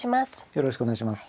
よろしくお願いします。